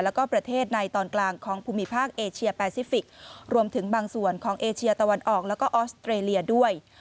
แล้วก็ประเทศในตอนกลางของภูมิภาคเอเชียแปซิฟิกรวมถึงบางส่วนของเอเชียตะวันออกแล้วก็ออสเตรเลียด้วย